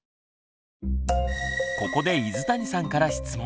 ここで泉谷さんから質問。